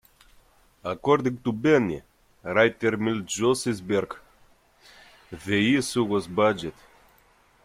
According to Benny writer Milt Josefsberg, the issue was budget.